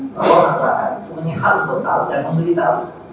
bahwa masyarakat itu menyehal untuk tahu dan memberi tahu